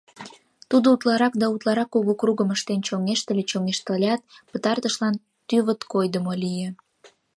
Тудо утларак да утларак кугу кругым ыштен чоҥештыле-чоҥештылят, пытартышлан тӱвыт койдымо лие.